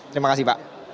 terima kasih pak